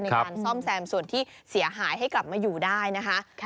ในการซ่อมแซมส่วนที่เสียหายให้กลับมาอยู่ได้นะคะ